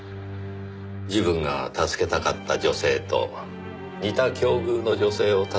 自分が助けたかった女性と似た境遇の女性を助けたかった。